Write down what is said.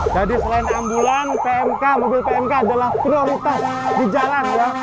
jadi selain ambulan pmk mobil pmk adalah prioritas di jalan ya